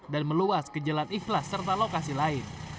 dan meluas ke jalan iflas serta lokasi lain